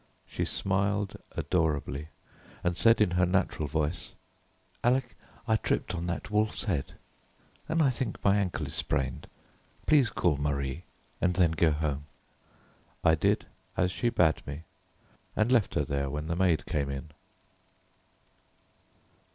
She smiled adorably, and said in her natural voice: "Alec, I tripped on that wolf's head, and I think my ankle is sprained. Please call Marie, and then go home." I did as she bade me, and left her there when the maid came in.